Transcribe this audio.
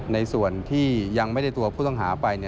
ในส่วนที่ยังไม่ได้ตัวผู้ต้องหาไป